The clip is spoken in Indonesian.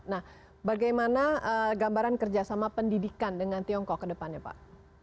nah bagaimana gambaran kerjasama pendidikan dengan tiongkok ke depannya pak